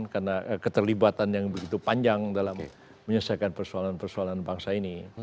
karena keterlibatan yang begitu panjang dalam menyelesaikan persoalan persoalan bangsa ini